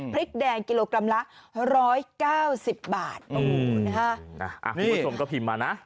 พริกแดงกิโลกรัมละ๑๙๐บาทอ๋อคุณผู้ชมก็พิมพ์มานะ